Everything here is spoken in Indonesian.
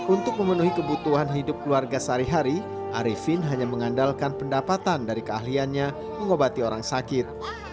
untuk memenuhi kebutuhan hidup keluarga sehari hari arifin hanya mengandalkan pendapatan dari keahliannya mengobati orang sakit